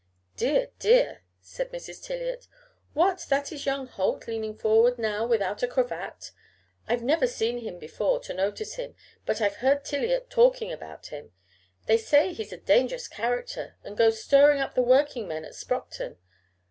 "Dear, dear," said Mrs. Tiliot. "What! that is young Holt leaning forward now without a cravat? I've never seen him before to notice him, but I've heard Tiliot talking about him. They say he's a dangerous character, and goes stirring up the workingmen at Sproxton.